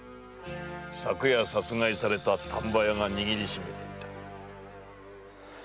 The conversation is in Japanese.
昨夜殺害された丹波屋が握りしめていた。